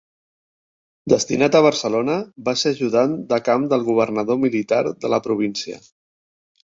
Destinat a Barcelona, va ser ajudant de camp del governador militar de la província.